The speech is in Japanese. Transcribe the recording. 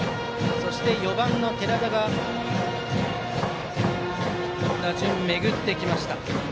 そして４番の寺田に打順が巡ってきました。